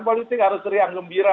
politik harus riang gembira